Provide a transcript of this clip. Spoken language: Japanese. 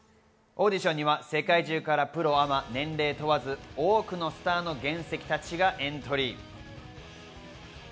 オーディションには世界中からプロ・アマ、年齢問わず、多くのスターの原石たちがエントリー。